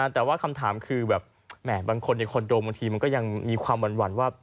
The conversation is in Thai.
แต่ว่าคำถามคือแบบบางคนในคอนโดบางทีมันก็ยังมีความหวั่นว่า